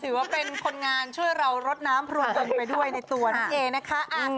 ถือว่าเป็นคนงานช่วยเรารดน้ำพรวนตนไปด้วยในตัวนั่นเองนะคะ